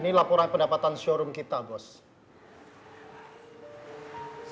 ini laporan pendapatan showroom kita gus